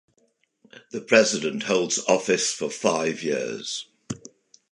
The President holds office for five years.